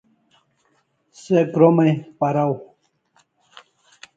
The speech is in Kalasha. Se kromai paraw